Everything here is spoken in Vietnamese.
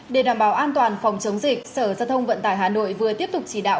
để đảm bảo an toàn phòng chống dịch sở giao thông vận tải hà nội vừa tiếp tục chỉ đạo